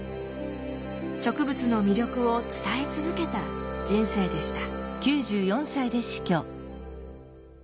植物の魅力を伝え続けた人生でした。